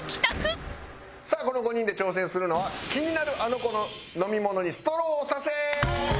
さあこの５人で挑戦するのは気になるあの子の飲み物にストローをさせ！